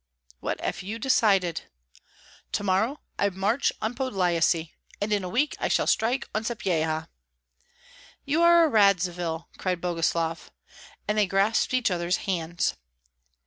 "What have you decided?" "To morrow I march on Podlyasye, and in a week I shall strike on Sapyeha." "You are a Radzivill!" cried Boguslav. And they grasped each other's hands.